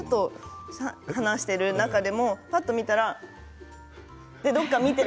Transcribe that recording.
話している中でもぱっと見たらどこか見ている。